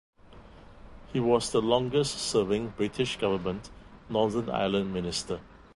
He was the longest serving British government Northern Ireland minister.